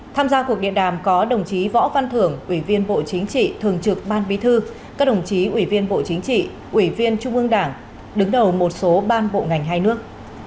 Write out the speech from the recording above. tham gia cuộc điện đàm có đồng chí võ văn thưởng ủy viên bộ chính trị thường trực ban bí thư các đồng chí ủy viên bộ chính trị ủy viên trung ương đảng đứng đầu một số ban bộ ngành hai nước